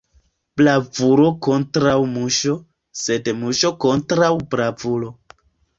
Bravulo kontraŭ muŝo, sed muŝo kontraŭ bravulo.